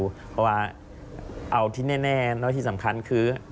เพราะว่าเอาที่แน่แล้วที่สำคัญคือ